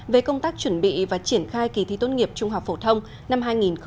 về công tác chuẩn bị và triển khai kỳ thi tốt nghiệp trung học phổ thông năm hai nghìn hai mươi